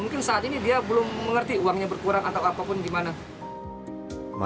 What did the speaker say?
mungkin saat ini dia belum mengerti uangnya berkurang atau apapun gimana